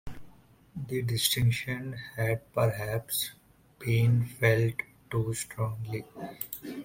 The distinction had perhaps been felt too strongly.